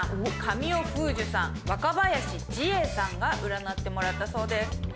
神尾楓珠さん若林時英さんが占ってもらったそうです。